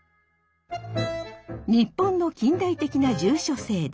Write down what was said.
日本の近代的な住所制度。